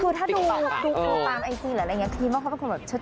คือถ้าดูตามไอจีหรืออะไรอย่างนี้ครีมว่าเขาเป็นคนแบบเชิด